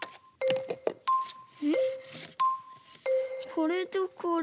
これとこれ。